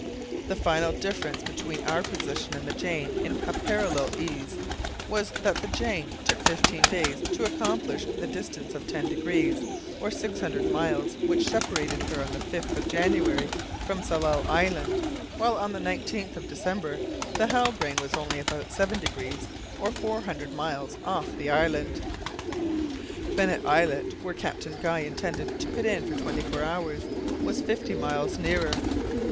The final difference between our position and the Jane in a parallel case, was that the Jane took fifteen days to accomplish the distance of ten degrees, or six hundred miles, which separated her on the 5th of January from Tsalal Island, while on the 19th of December the Halbrane was only about seven degrees, or four hundred miles, off the island. Bennet Islet, where Captain Guy intended to put in for twenty four hours, was fifty miles nearer.